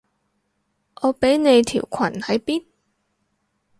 我畀你條裙喺邊？